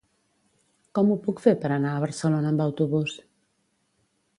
Com ho puc fer per anar a Barcelona amb autobús?